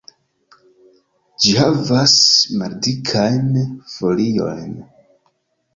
Ĝi havas maldikajn foliojn.